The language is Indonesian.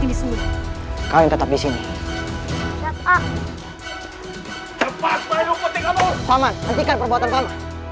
ini semua kalian tetap disini cepat cepat bayu putih kamu sama hentikan perbuatan